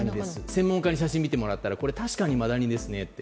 専門家に写真を見てもらったら確かにマダニですねと。